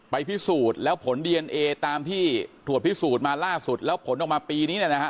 พิสูจน์แล้วผลดีเอนเอตามที่ตรวจพิสูจน์มาล่าสุดแล้วผลออกมาปีนี้เนี่ยนะฮะ